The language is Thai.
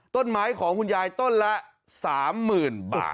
ต้นไม้ของคุณยายต้นละ๓๐๐๐บาท